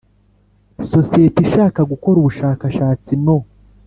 Sosiyete ishaka gukora ubushakashatsi no